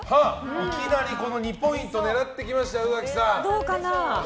いきなり２ポイント狙ってきました、宇垣さん。